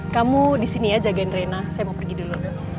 kamu di sini ya jagain rena saya mau pergi dulu